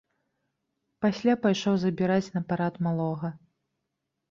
Пасля пайшоў забіраць на парад малога.